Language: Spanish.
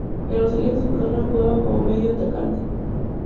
En los inicios de su carrera jugaba como medio atacante.